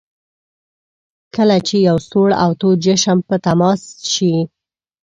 کله چې یو سوړ او تود جسم په تماس شي.